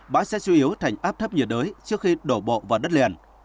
báo sẽ sưu yếu thành áp thấp nhiệt đới trước khi đổ bộ vào đất liền